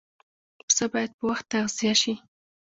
پسه باید په وخت تغذیه شي.